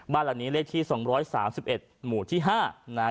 บ้านหลังนี้เลขที่๒๓๑หมู่ที่๕นะฮะ